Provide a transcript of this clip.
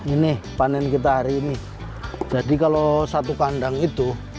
ini panen kita hari ini jadi kalau satu kandang itu